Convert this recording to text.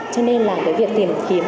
cho nên là cái việc tìm kiếm